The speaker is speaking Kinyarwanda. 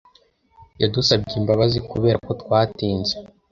Yadusabye imbabazi kuberako twatinze.